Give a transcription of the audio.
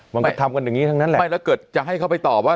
มันก็ทำกันอย่างนี้ทั้งนั้นแหละไม่แล้วเกิดจะให้เขาไปตอบว่า